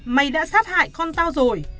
mày đã sát hại con tao rồi